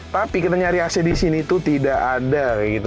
tapi kita nyari ac disini tuh tidak ada